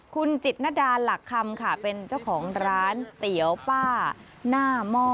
คุณจิตนดาหลักคำค่ะเป็นเจ้าของร้านเตี๋ยวป้าหน้าหม้อ